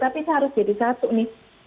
tapi saya harus jadi satu nih